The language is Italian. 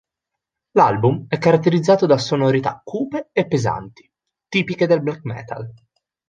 L'album è caratterizzato da sonorità cupe e pesanti, tipiche del black metal.